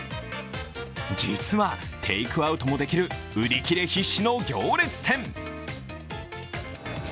実は、テイクアウトもできる売り切れ必至の行列店。